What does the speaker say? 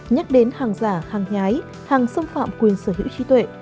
nhắc đến hàng giả hàng nhái hàng xâm phạm quyền sở hữu trí tuệ